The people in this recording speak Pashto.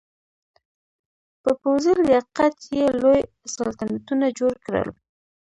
په پوځي لیاقت یې لوی سلطنتونه جوړ کړل.